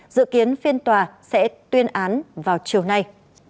dự kiến phiên tòa sẽ tuyên án vào chiều nay